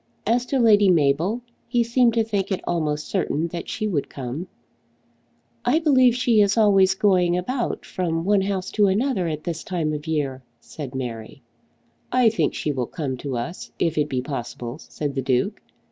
As to Lady Mabel, he seemed to think it almost certain that she would come. "I believe she is always going about from one house to another at this time of the year," said Mary. "I think she will come to us if it be possible," said the Duke.